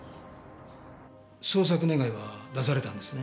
捜索願は出されたんですね？